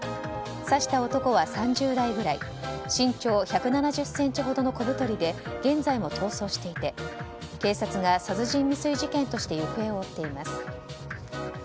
刺した男は３０代くらい身長１７０ｃｍほどの小太りで現在も逃走していて警察が殺人未遂事件として行方を追っています。